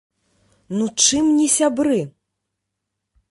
Ну чым не сябры?